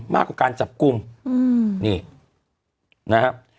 มากกว่าการจับกลุ่มนี่นะครับ